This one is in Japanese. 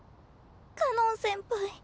かのん先輩。